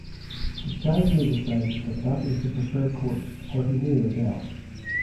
The child may decide that that is the preferred course, or he may rebel.